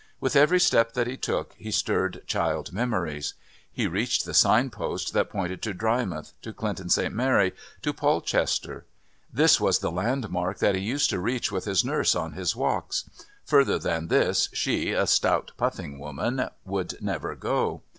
With every step that he took he stirred child memories. He reached the signpost that pointed to Drymouth, to Clinton St. Mary, to Polchester. This was the landmark that he used to reach with his nurse on his walks. Further than this she, a stout, puffing woman, would never go.